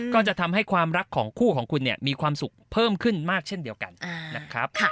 ก็จะทำให้ความรักของคู่ของคุณเนี่ยมีความสุขเพิ่มขึ้นมากเช่นเดียวกันนะครับ